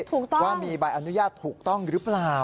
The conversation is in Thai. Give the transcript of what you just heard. ถูกต้องว่ามีใบอนุญาตถูกต้องหรือเปล่า